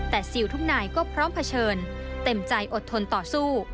แต่ซิลทุกนายก็พร้อมเผชิญเต็มใจอดทนต่อสู้